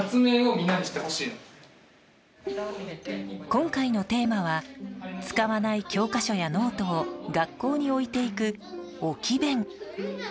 今回のテーマは使わない教科書やノートを学校に置いていく、置き勉。